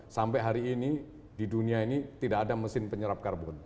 sampai hari ini di dunia ini tidak ada mesin penyerap karbon